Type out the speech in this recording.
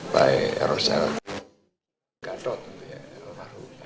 pak eros jalan